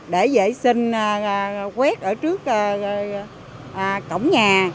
để dễ sinh quét ở trước cổng nhà